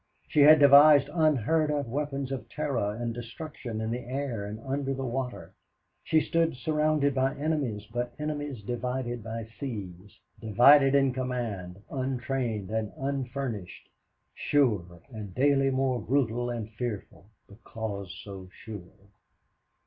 She had devised unheard of weapons of terror and destruction in the air and under the water. She stood surrounded by enemies, but enemies divided by seas, divided in command, untrained and unfurnished; sure, and daily more brutal and fearful because so sure.